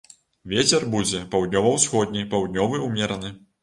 Вецер будзе паўднёва-ўсходні, паўднёвы ўмераны.